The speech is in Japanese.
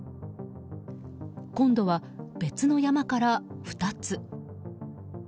今度は別の山から２つ。